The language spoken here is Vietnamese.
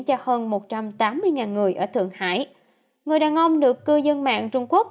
cho hơn một trăm tám mươi người ở thượng hải người đàn ông được cư dân mạng trung quốc